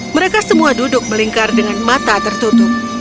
mereka semua duduk melingkar dengan mata tertutup